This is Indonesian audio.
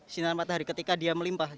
sinar matahari ketika dia melimpah